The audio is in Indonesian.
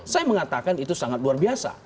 saya mengatakan itu sangat luar biasa